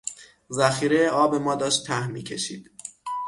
ذخیره آب ما داشت ته میکشید.